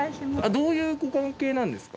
どういうご関係なんですか？